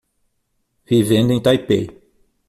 Vivendo em Taipei